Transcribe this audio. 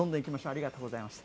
ありがとうございます。